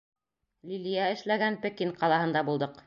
— Лилиә эшләгән Пекин ҡалаһында булдыҡ.